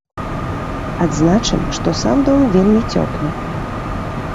Адзначым, што сам дом вельмі цёплы.